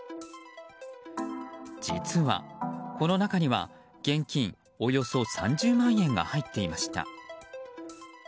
実は、この中には現金およそ３０万円が入っていました。